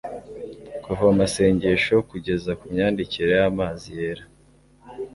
Kuva mu masengesho kugeza ku myandikire y'amazi yera